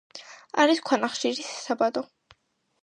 არის ქვანახშირის საბადო.